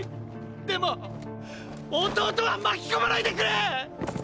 でも弟は巻き込まないでくれ！！